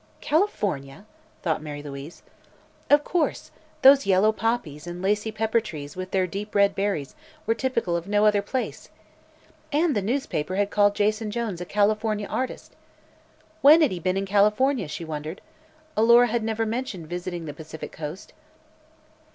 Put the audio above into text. "California?" thought Mary Louise. Of course; those yellow poppies and lacy pepper trees with their deep red berries were typical of no other place. And the newspaper had called Jason Jones a California artist. When had he been in California, she wondered. Alora had never mentioned visiting the Pacific Coast.